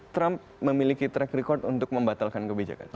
trump memiliki track record untuk membatalkan kebijakan